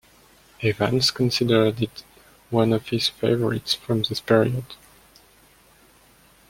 Evans considered it one of his favorites from this period.